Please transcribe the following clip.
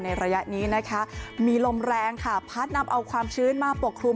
ระยะนี้นะคะมีลมแรงค่ะพัดนำเอาความชื้นมาปกคลุม